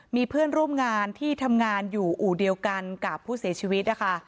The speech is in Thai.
มีเพื่อนร่วมงานที่ทำงานอยู่อู่เดียวกันกับผู้เสียชีวิตนะคะ